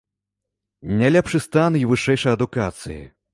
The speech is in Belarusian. Не лепшы стан і вышэйшай адукацыі.